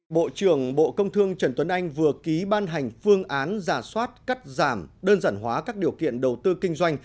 bộ trưởng bộ công thương trần tuấn anh vừa ký ban hành phương án giả soát cắt giảm đơn giản hóa các điều kiện đầu tư kinh doanh